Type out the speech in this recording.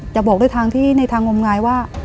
จะบอกด้วยทางที่ในทางงมงายว่า